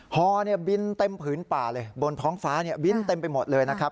ฮอบินเต็มผืนป่าเลยบนท้องฟ้าบินเต็มไปหมดเลยนะครับ